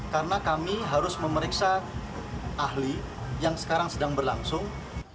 karena kami harus memeriksa ahli yang sekarang sedang berlangsung